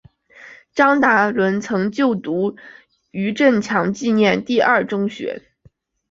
张达伦曾就读余振强纪念第二中学。